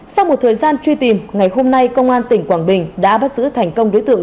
sau một thời gian truy tìm ngày hôm nay công an tỉnh quảng bình đã bắt giữ thành công đối tượng